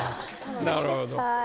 なるほど。